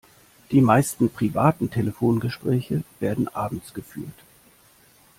Die meisten privaten Telefongespräche werden abends geführt.